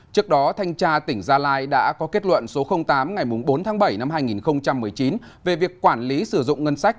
trước đó thanh tra tỉnh gia lai đã có kết luận số tám ngày bốn tháng bảy năm hai nghìn một mươi chín về việc quản lý sử dụng ngân sách